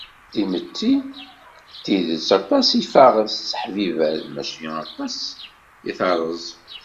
Timetti d tidet aṭas i ɣef tesseḥbiber maca aṭas i terreẓ.